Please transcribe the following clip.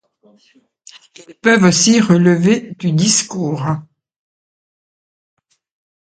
Ils peuvent aussi relever du discours.